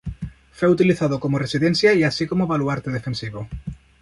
Fue utilizado como residencia y así como baluarte defensivo.